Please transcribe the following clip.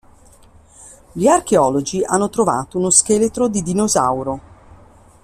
Gli archeologi hanno trovato uno scheletro di dinosauro.